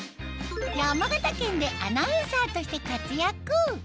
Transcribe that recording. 山形県でアナウンサーとして活躍